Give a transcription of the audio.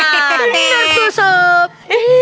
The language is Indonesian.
tuh tuh sob